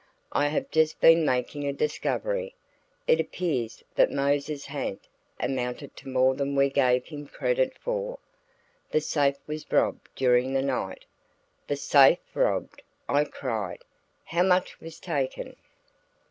"I have just been making a discovery. It appears that Mose's ha'nt amounted to more than we gave him credit for. The safe was robbed during the night." "The safe robbed!" I cried. "How much was taken?"